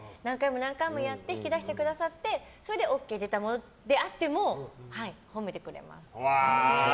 何回もやって引き出してくださってそれでＯＫが出たものであっても褒めてくれます。